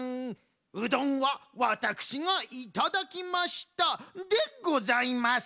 うどんはワタクシがいただきましたでございます。